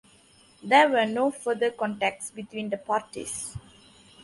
There were no further contacts between the parties.